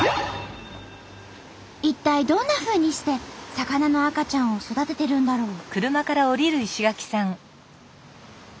一体どんなふうにして魚の赤ちゃんを育ててるんだろう？